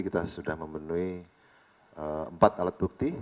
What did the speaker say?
kita sudah memenuhi empat alat bukti